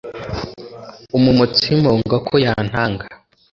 umumotsi mpunga ko yantanga